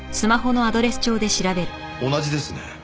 同じですね。